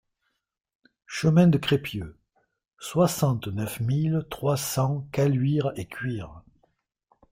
Chemin de Crépieux, soixante-neuf mille trois cents Caluire-et-Cuire